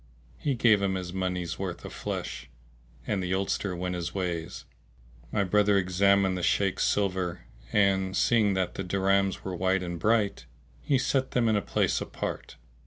He gave him his money s worth of flesh and the oldster went his ways. My brother examined the Shaykh's silver, and, seeing that the dirhams were white and bright, he set them in a place apart.